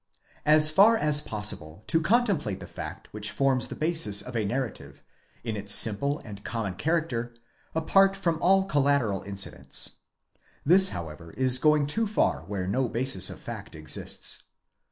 As far as possible to eon template the fact which forms the basis of a narrative, in its simple and common character, apart from all collateral incidents. (This however, is going too far where no basis of fact exists.)